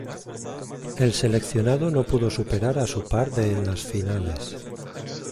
El seleccionado no pudo superar a su par de en las semifinales.